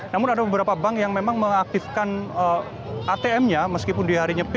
namun ada beberapa bank yang memang mengaktifkan atm nya meskipun di hari nyepi